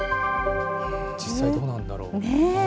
実際どうなんだろう。